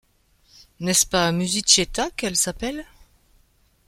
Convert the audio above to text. N’est-ce pas Musichetta qu’elle s’appelle ?